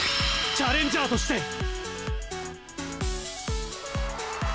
チャレンジャーとして！